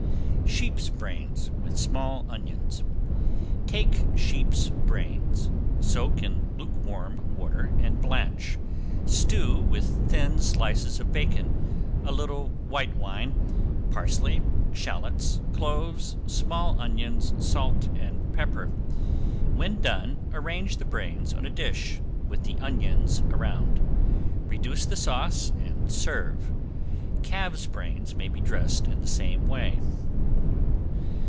~SHEEP'S BRAINS, WITH SMALL ONIONS~ Take sheep's brains. Soak in lukewarm water and blanch. Stew with thin slices of bacon, a little white wine, parsley, shallots, cloves, small onions, salt and pepper. When done arrange the brains on a dish, with the onion's around; reduce the sauce and serve. Calves' brains may be dressed in the same way.